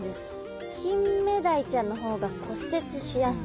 キンメダイちゃんの方が骨折しやすい。